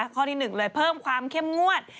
ข้อที่๑เลยเพิ่มความเข้มงวด